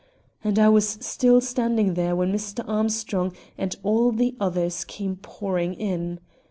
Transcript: And I was still standing there when Mr. Armstrong and all the others came pouring in.